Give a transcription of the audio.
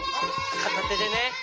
かたてでね。